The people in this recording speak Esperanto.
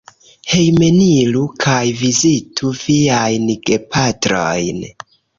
Hejmeniru kaj vizitu viajn gepatrojn.